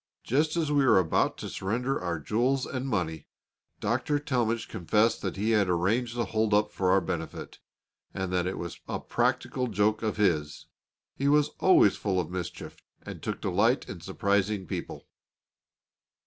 Just as we were about to surrender our jewels and money, Dr. Talmage confessed that he had arranged the hold up for our benefit, and that it was a practical joke of his. He was always full of mischief, and took delight in surprising people.